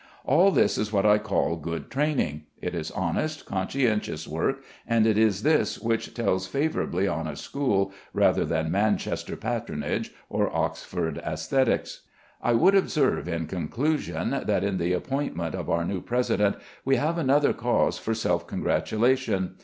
All this is what I call good training. It is honest, conscientious work, and it is this which tells favorably on a school, rather than Manchester patronage or Oxford æsthetics. I would observe, in conclusion, that in the appointment of our new President we have another cause for self congratulation.